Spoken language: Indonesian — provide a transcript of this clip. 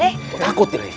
belum makan dari pagi